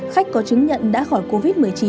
khách có chứng nhận đã khỏi covid một mươi chín